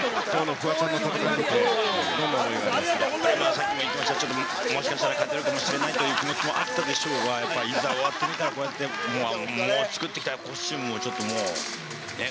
フワちゃん、もしかしたら勝てるかもしれないという気持ちもあったでしょうが、やっぱりいざ終わってみたら、こうやって、作ってきたコスチュームもちょっともう、ねぇ、